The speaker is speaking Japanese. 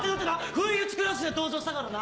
不意打ちクラッシュで登場したからな。